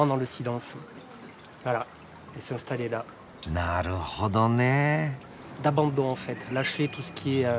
なるほどね。